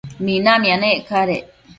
minamia nec cadec